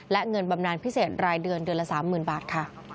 และเงินบำนานพิเศษรายเดือนเดือนละ๓๐๐๐บาทค่ะ